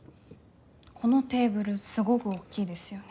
このテーブルすごぐ大きいですよね。